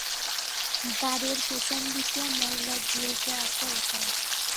বারের পেছনদিকে, ময়লার ঝুড়িতে আছে ওটা।